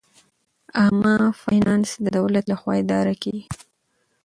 عامه فینانس د دولت لخوا اداره کیږي.